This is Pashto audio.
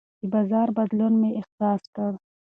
د بازار بدلون مې احساس کړ.